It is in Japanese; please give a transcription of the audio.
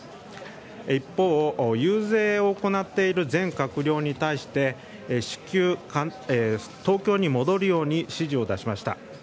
一方、遊説を行っている全閣僚に対して至急、東京に戻るように指示を出しました。